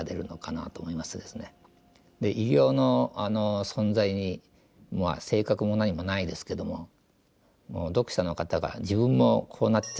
で異形の存在に性格も何もないですけども読者の方が自分もこうなっちゃったらどうしようみたいなですね